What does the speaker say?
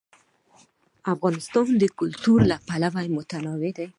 افغانستان د کلتور له پلوه متنوع دی.